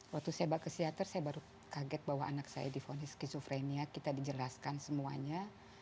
waktu saya ke psikiater saya baru kaget bahwa anak saya difonis skizofrenia kita dijelaskan semuanya